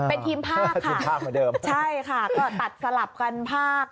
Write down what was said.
เป็นทีมภาคค่ะใช่ค่ะก็ตัดสลับกันภาค